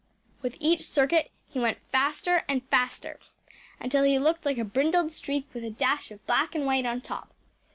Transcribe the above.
With each circuit he went faster and faster, until he looked like a brindled streak with a dash of black and white on top.